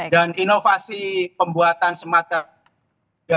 dan inovasi pembuatan smart card